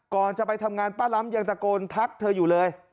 ก่อนจะไปทำงานป้าล้ำยังตะโกนทักเธออยู่เลย